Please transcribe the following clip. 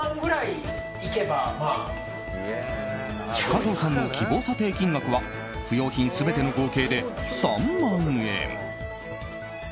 加藤さんの希望査定金額は不要品全ての合計で３万円。